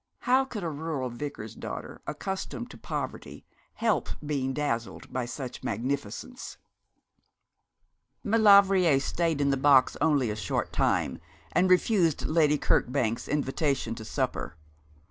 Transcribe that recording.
How could a rural vicar's daughter, accustomed to poverty, help being dazzled by such magnificence? Maulevrier stayed in the box only a short time, and refused Lady Kirkbank's invitation to supper.